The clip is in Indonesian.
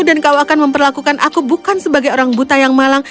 dan kau akan memperlakukan aku bukan sebagai orang buta yang malang